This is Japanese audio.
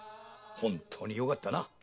本当によかったな！